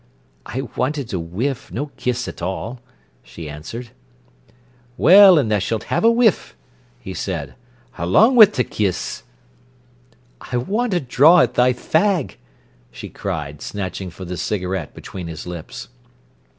"I wanted a whiff, no kiss at all," she answered. "Well, an' tha s'lt ha'e a whiff," he said, "along wi' t' kiss." "I want a draw at thy fag," she cried, snatching for the cigarette between his lips.